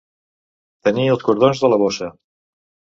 Tenir els cordons de la bossa.